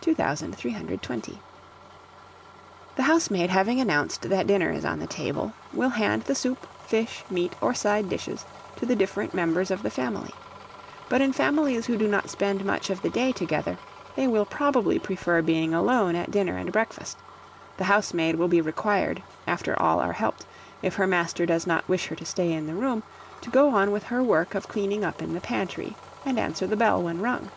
2320. The housemaid having announced that dinner is on the table, will hand the soup, fish, meat, or side dishes to the different members of the family; but in families who do not spend much of the day together, they will probably prefer being alone at dinner and breakfast; the housemaid will be required, after all are helped, if her master does not wish her to stay in the room, to go on with her work of cleaning up in the pantry, and answer the bell when rung.